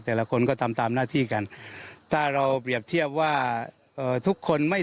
แต่ละคนก็ตามหน้าที่กันถ้าเราเปรียบเทียบว่าทุกคนไม่ตามหน้าที่